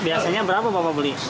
biasanya berapa pak beli